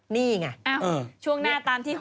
นี่ไง